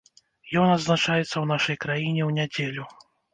Ён адзначаецца ў нашай краіне ў нядзелю.